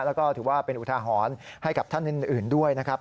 แล้วก็ถือว่าเป็นอุทาหรณ์ให้กับท่านอื่นด้วยนะครับ